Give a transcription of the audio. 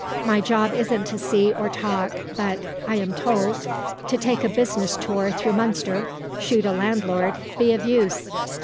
My job isn't to see or talk, but (I am told) to 'take a business tour through Munster, shoot a landlord, be of use.